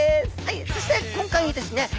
そして今回ですね